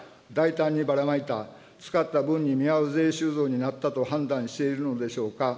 大胆にばらまいた、使った分に見合う税収増になったと判断しているのでしょうか。